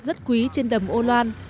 rất quý trên đầm ô loan